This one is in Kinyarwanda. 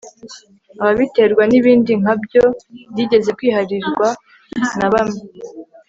ababiterwa n'ibindi nka byo byigeze kwiharirwa na bamwe